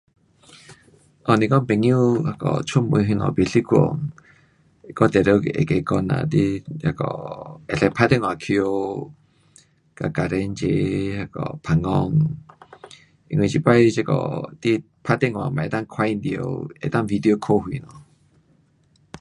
哦，是讲朋友那个出门什么不习惯，我定得得跟他讲啦，你那个可以打电话回家跟家庭齐那个旁讲，因为这次这个你打电话也能够看见到，能够 video call 什么。